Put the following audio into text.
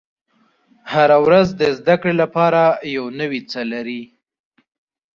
• هره ورځ د زده کړې لپاره یو نوی څه لري.